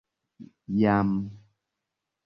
jam